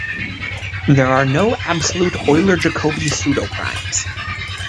There are no absolute Euler-Jacobi pseudoprimes.